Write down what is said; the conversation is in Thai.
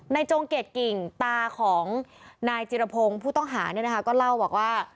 จงเกดกิ่งตาของนายจิรพงศ์ผู้ต้องหาเนี่ยนะคะก็เล่าบอกว่า